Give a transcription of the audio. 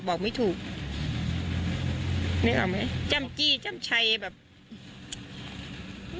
บอกไม่ถูกเนื่องเอาไหมจ้ำจี้จ้ำชัยแบบตื๊ก